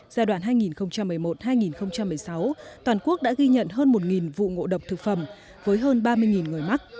giai đoạn hai nghìn một mươi một hai nghìn một mươi sáu toàn quốc đã ghi nhận hơn một vụ ngộ độc thực phẩm với hơn ba mươi người mắc